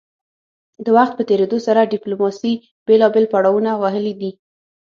د وخت په تیریدو سره ډیپلوماسي بیلابیل پړاونه وهلي دي